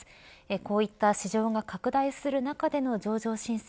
こういった市場が拡大する中での上場申請